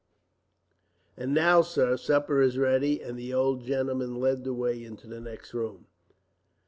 "And now, sir, supper is ready;" and the old gentleman led the way into the next room.